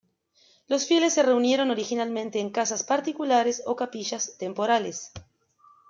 Los fieles se reunieron originalmente en casas particulares o capillas temporales.